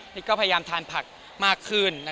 นี่ก็พยายามทานผักมากขึ้น